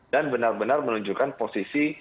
dan benar benar menunjukkan posisi